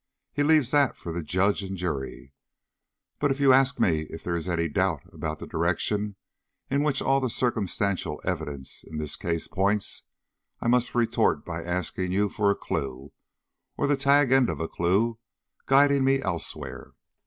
"He leaves that for the judge and jury. But if you ask me if there is any doubt about the direction in which all the circumstantial evidence in this case points, I must retort by asking you for a clue, or the tag end of a clue, guiding me elsewhere.